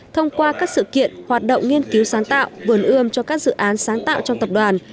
thông qua các sự kiện hoạt động nghiên cứu sáng tạo vườn ươm cho các dự án sáng tạo trong tập đoàn